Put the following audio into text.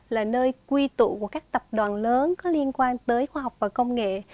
là nơi quy tụ của các tập đoàn lớn có liên quan tới khoa học và công nghệ